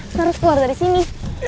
saya harus keluar dari sini